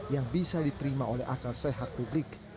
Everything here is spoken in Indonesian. yang bisa diterima oleh akal sehat publik